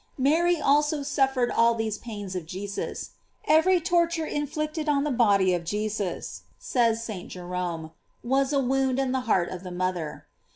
"* Mary also suffered all these pains of Jesus. Every torture inflicted on the body of Jesus, says St. Jerome, was a wound in the heart of the mother.